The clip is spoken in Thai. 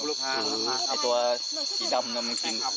หรือตัวที่เจ้าของมันกิน